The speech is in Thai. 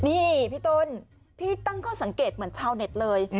นี่พี่ต้นพี่ตั้งข้อสังเกตเหมือนชาวเน็ตเลย